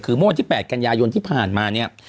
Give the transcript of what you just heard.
คือมวลที่๘กันยายนที่ผ่านมา